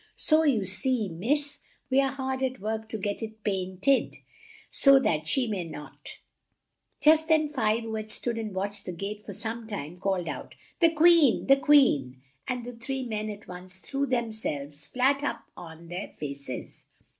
So you see, Miss, we are hard at work to get it paint ed, so that she may not " Just then Five, who had stood and watched the gate for some time, called out, "The Queen! the Queen!" and the three men at once threw them selves flat up on their fa ces.